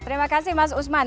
terima kasih mas usman